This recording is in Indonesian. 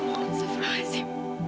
masya allah azim